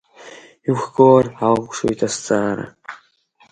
Иқәгылар алшоит азҵаара…